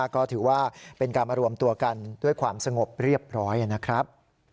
ก็ถือว่าเป็นการมารวมตัวกันด้วยความสงบเรียบร้อยนะครับ